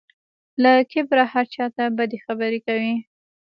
له کبره هر چا ته بدې خبرې کوي.